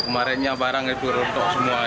marinnya barang itu runtuh semua